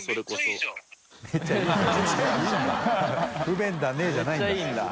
不便だね」じゃないんだ。